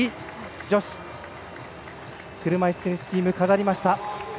女子車いすテニスチーム飾りました。